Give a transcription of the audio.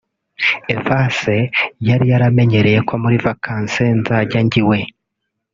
Evase yari yaranyemereye ko muri vacances nzajya njya iwe